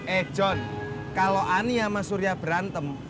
eh john kalau ani sama surya berantem